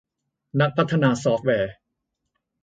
นักพัฒนาซอฟแวร์